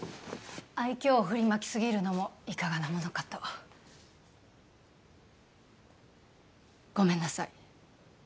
愛きょうを振りまきすぎるのもいかがなものかとごめんなさい